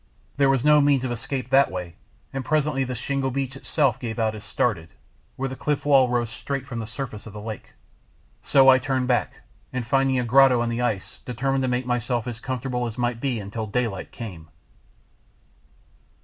There was no means of escape that way, and presently the shingle beach itself gave out as stated, where the cliff wall rose straight from the surface of the lake, so I turned back, and finding a grotto in the ice determined to make myself as comfortable as might be until daylight came.